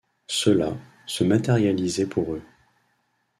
Cela se matérialisait pour eux.